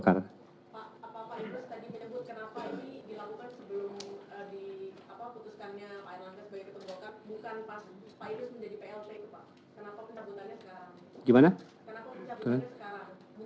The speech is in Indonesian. pak apa pak idrus tadi menyebut kenapa ini dilakukan sebelum di apa putuskannya pak irlander sebagai ketenggolkar